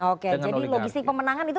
oke jadi logistik pemenangan itu